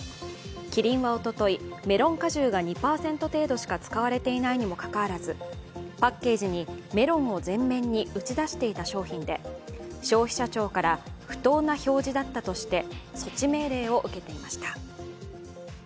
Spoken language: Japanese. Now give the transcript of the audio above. キリンはおととい、メロン果汁が２％程度しか使われていないにもかかわらずパッケージにメロンを前面に打ち出していた商品で消費者庁から不当な表示だったとして措置命令を受けていました。